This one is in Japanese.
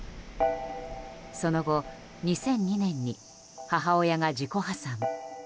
その後、２００２年に母親が自己破産。